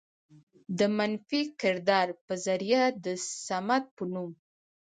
د منفي کردار په ذريعه د صمد په نوم